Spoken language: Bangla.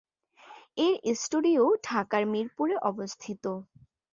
এর স্টুডিও ঢাকার মিরপুরে অবস্থিত।